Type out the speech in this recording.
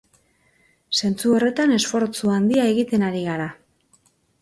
Zentzu horretan, esfortsu handia egiten ari gara.